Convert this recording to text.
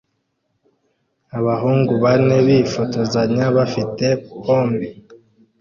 Abahungu bane bifotozanya bafite pompe